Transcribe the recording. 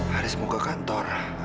haris mau ke kantor